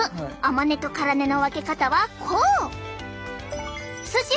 甘根と辛根の分け方はこう！